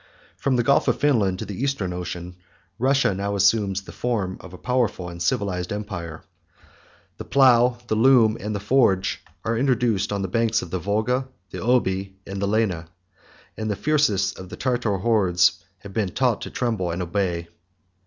From the Gulf of Finland to the Eastern Ocean, Russia now assumes the form of a powerful and civilized empire. The plough, the loom, and the forge, are introduced on the banks of the Volga, the Oby, and the Lena; and the fiercest of the Tartar hordes have been taught to tremble and obey.